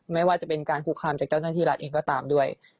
ไม่ว่าจะเป็นการคุกคามจากเจ้าหน้าที่รัฐเองก็ตามด้วย